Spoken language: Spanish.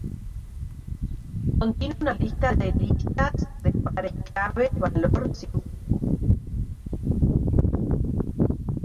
Contiene una lista de listas de pares clave-valor sin tipo.